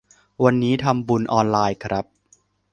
วันนี้ทำบุญออนไลน์ครับ